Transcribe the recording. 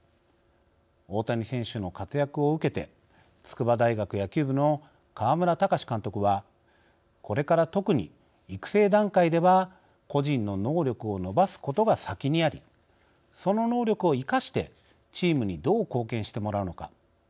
大谷選手の活躍を受けて筑波大学野球部の川村卓監督は「これから、特に育成段階では個人の能力を伸ばすことが先にあり、その能力を生かしてチームにどう貢献してもらうのか。